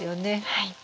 はい。